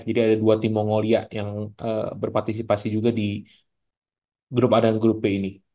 jadi ada dua tim mongolia yang berpartisipasi juga di grup a dan grup b ini